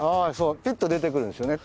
ピュッと出てくるんですよね。